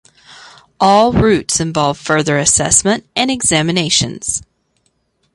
All routes involve further assessment and examinations.